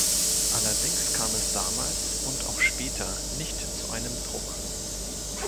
Allerdings kam es damals und auch später nicht zu einem Druck.